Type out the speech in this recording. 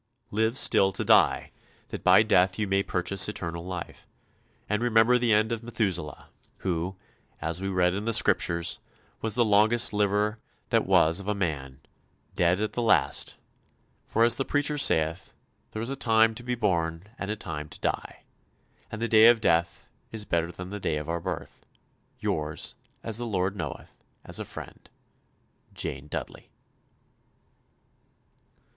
Live still to die, that by death you may purchase eternal life, and remember the end of Methuselah, who, as we read in the Scriptures, was the longest liver that was of a man, died at the last; for as the preacher saith, there is a time to be born and a time to die, and the day of death is better than the day of our birth. Yours, as the Lord knoweth, as a friend, "JANE DUDDELEY."